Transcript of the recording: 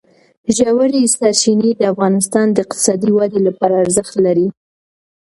ژورې سرچینې د افغانستان د اقتصادي ودې لپاره ارزښت لري.